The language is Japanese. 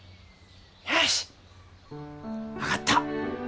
よし分かった。